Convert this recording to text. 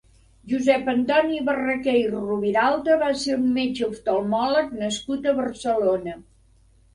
Josep Antoni Barraquer i Roviralta va ser un metge oftalmòleg nascut a Barcelona.